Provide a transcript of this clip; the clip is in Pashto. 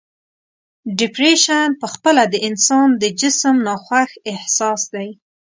ډپریشن په خپله د انسان د جسم ناخوښ احساس دی.